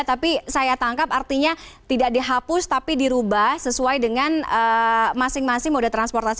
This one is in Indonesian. tapi saya tangkap artinya tidak dihapus tapi dirubah sesuai dengan masing masing mode transportasi